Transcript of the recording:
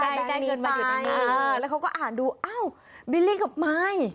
ได้เงินมาอยู่ตรงนี้แล้วเขาก็อ่านดูอ้าวบิลลี่กับมาย